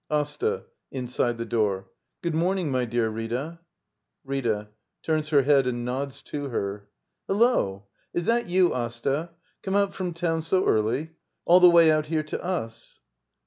AsTA. [Inside the door.] Good morning, my dear Rita. Rita. [Turns her head and nods to her.] Hello! Is that you, Asta? G)me out fronn town so early? All the way out here to us?